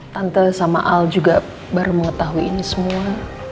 tante sama al juga baru mengetahui ini semua